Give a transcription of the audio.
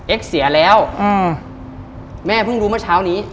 เสียแล้วอืมแม่เพิ่งรู้เมื่อเช้านี้